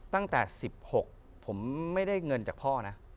ตั้งแต่๑๖ผมไม่ได้เงินจากพ่อนะ